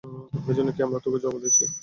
এজন্যই কি আমরা তোকে জন্ম দিয়েছি?